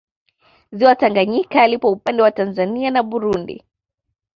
Ziwa Tanganyika lipo upande wa Tanzania na Burundi